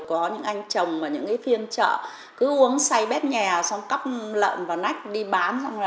có những anh chồng ở những phiên chợ cứ uống say bét nhè xong cắp lợn vào nách đi bán